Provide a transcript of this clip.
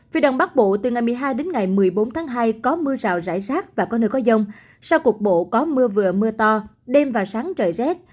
phía đồng bắc bộ từ ngày một mươi hai đến ngày một mươi bốn tháng hai có mưa rào rải rác và có nơi có dông sau cuộc bộ có mưa vừa mưa to đêm và sáng trời rét